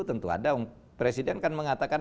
tentu ada presiden kan mengatakan